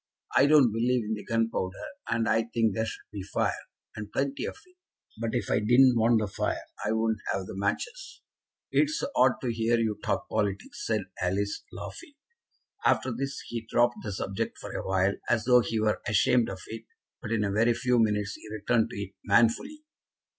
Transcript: I don't believe in the gunpowder, and I think there should be fire, and plenty of it; but if I didn't want the fire I wouldn't have the matches." "It's so odd to hear you talk politics," said Alice, laughing. After this he dropped the subject for a while, as though he were ashamed of it, but in a very few minutes he returned to it manfully.